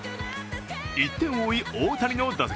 １点を追い、大谷の打席。